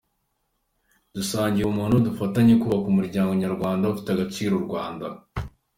Dusangiye ubumuntu, dufatanye kubaka umuryango nyarwanda ufite agaciro Rwanda.